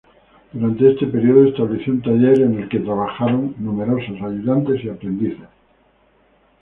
Durante este periodo estableció un taller en el que trabajaron numerosos ayudantes y aprendices.